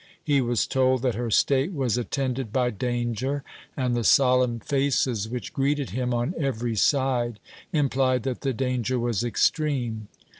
He was told that her state was attended by danger; and the solemn faces which greeted him on every side implied that the danger was extreme.